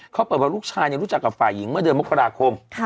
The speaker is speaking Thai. เขาเปิดว่าลูกชายรู้จักกับฝ่ายหญิงเมื่อเดือนมกราคม